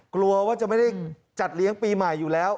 กลัวว่าจะไม่ได้จัดเลี้ยงปีใหม่อยู่แล้ว